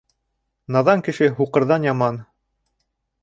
Наҙан кеше һуҡырҙан яман